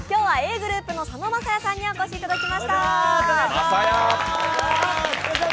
ｇｒｏｕｐの佐野晶哉さんにもお越しいただきました。